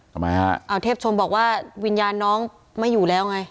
ทำไมฮะอ่าเทพชมบอกว่าวิญญาณน้องไม่อยู่แล้วไง